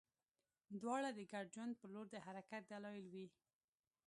دواړه د ګډ ژوند په لور د حرکت دلایل وي.